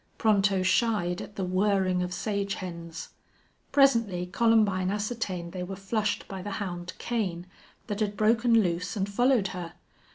Pronto shied at the whirring of sage hens. Presently Columbine ascertained they were flushed by the hound Kane, that had broken loose and followed her.